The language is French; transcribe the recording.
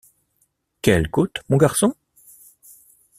Quelle côte, mon garçon?